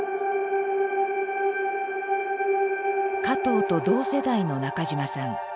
加藤と同世代の中島さん。